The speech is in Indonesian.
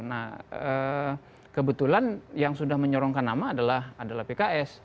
nah kebetulan yang sudah menyorongkan nama adalah pks